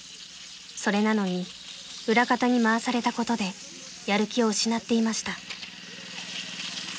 ［それなのに裏方に回されたことでやる気を失っていました］